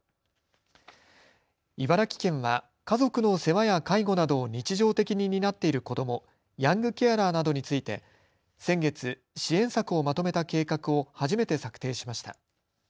茨城県は家族の世話や介護などを日常的に担っている子ども、ヤングケアラーなどについて先月、支援策をまとめた計画を初めて策定しました。